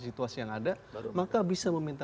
situasi yang ada maka bisa meminta